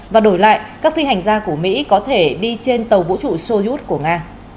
và đổi lại các phi hành gia của mỹ có thể đi trên tàu vũ trụ soyuth của nga